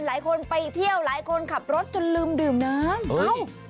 หลายคนไปเที่ยวหลายคนขับรถจนลืมดื่มน้ำเอ้า